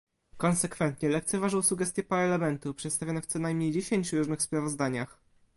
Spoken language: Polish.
Konsekwentnie lekceważył sugestie Parlamentu przedstawione w co najmniej dziesięciu różnych sprawozdaniach